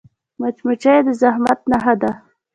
مچمچۍ د زحمت نښه ده